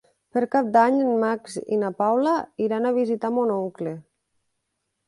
Per Cap d'Any en Max i na Paula iran a visitar mon oncle.